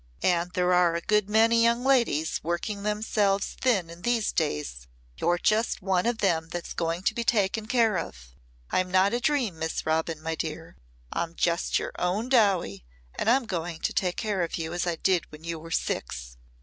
And there are a good many young ladies working themselves thin in these days. You're just one of them that's going to be taken care of. I'm not a dream, Miss Robin, my dear. I'm just your own Dowie and I'm going to take care of you as I did when you were six."